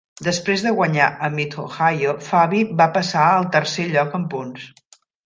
Després de guanyar a Mid-Ohio, Fabi va passar al tercer lloc en punts.